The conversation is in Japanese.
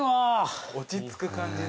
落ち着く感じの。